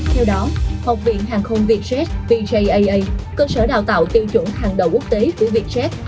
theo đó học viện hàng không việt jet bjaa cơ sở đào tạo tiêu chuẩn hàng đầu quốc tế của việt jet